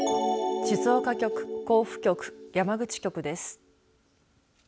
静岡局、甲府局、山口局です。